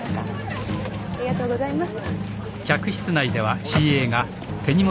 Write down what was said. ありがとうございます。